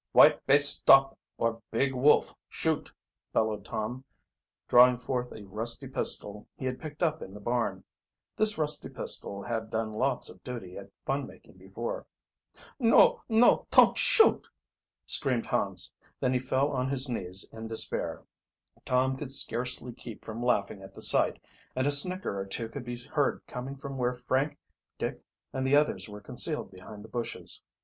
"White bay stop or Big Wolf shoot!" bellowed Tom, drawing forth a rusty pistol he had picked up in the barn. This rusty pistol had done lots of duty at fun making before. "No, no; ton't shoot!" screamed Hans. Then he fell on his knees in despair. Tom could scarcely keep from laughing at the sight, and a snicker or two could be heard coming from where Frank, Dick, and the others were concealed behind the bushes.